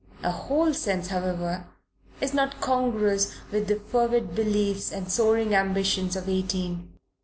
A whole sense, however, is not congruous with the fervid beliefs and soaring ambitions of eighteen.